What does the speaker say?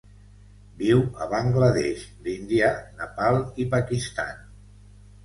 Viu a Bangla Desh, l'Índia, Nepal i Pakistan.